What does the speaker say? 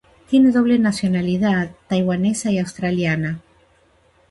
Tiene doble nacionalidad, taiwanesa y australiana.